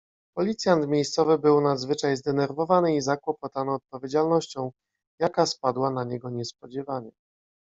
"Policjant miejscowy był nadzwyczaj zdenerwowany i zakłopotany odpowiedzialnością, jaka spadła na niego niespodziewanie."